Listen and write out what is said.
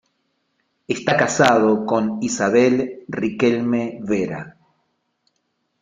Está casado con Isabel Riquelme Vera.